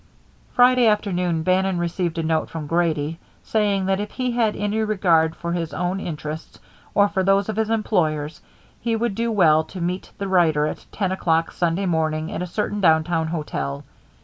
Friday afternoon Bannon received a note from Grady saying that if he had any regard for his own interests or for those of his employers, he would do well to meet the writer at ten o'clock Sunday morning at a certain downtown hotel.